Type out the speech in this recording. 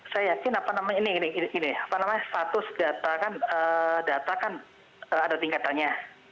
saya yakin status data kan ada tingkatannya